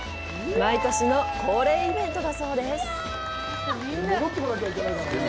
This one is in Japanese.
毎年の恒例イベントだそうです。